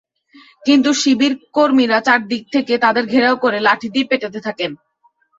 কিন্তু শিবির কর্মীরা চারদিক থেকে তাঁদের ঘেরাও করে লাঠি দিয়ে পেটাতে থাকেন।